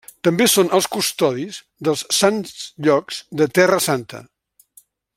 També són els custodis dels Sants Llocs de Terra Santa.